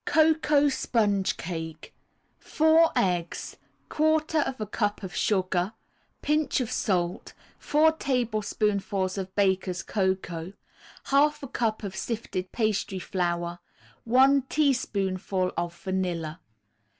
COCOA SPONGE CAKE 4 eggs, 1/4 a cup of sugar, Pinch of salt, 4 tablespoonfuls of Baker's Cocoa, 1/2 a cup of sifted pastry flour, 1 teaspoonful of vanilla.